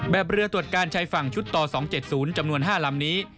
เรือตรวจการชายฝั่งชุดต่อ๒๗๐จำนวน๕ลำนี้